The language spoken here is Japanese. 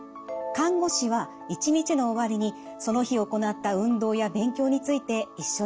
看護師は一日の終わりにその日行った運動や勉強について一緒に振り返ってくれました。